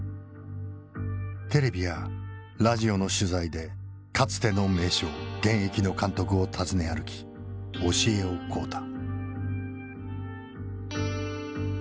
テレビやラジオの取材でかつての名将現役の監督を訪ね歩き教えを請うた。